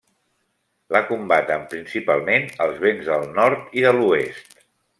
La combaten principalment els vents del nord i de l'oest.